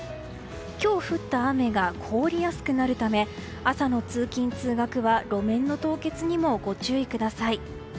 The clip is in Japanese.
今日降った雨が凍りやすくなるため朝の通勤・通学は路面の凍結にもご注意ください。